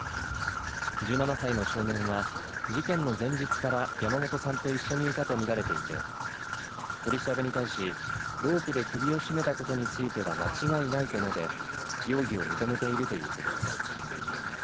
１７歳の少年は事件の前日から山本さんと一緒にいたとみられていて取り調べに対しロープで首を絞めたことについては間違いないと述べ容疑を認めているということです。